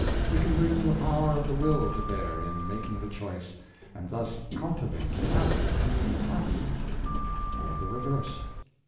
We can bring the power of the will to bear in making the choice, and thus cultivate the habit of being happy or the reverse.